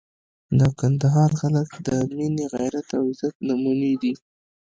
د کندهار خلک د مینې، غیرت او عزت نمونې دي.